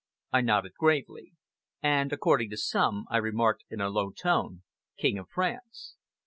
I nodded gravely. "And according to some," I remarked in a low tone, "King of France!"